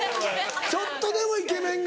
ちょっとでもイケメンが。